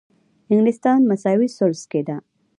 انګلستان مساوي ثلث کې ده.